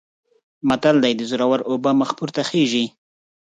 متل دی: د زورو اوبه مخ پورته خیژي.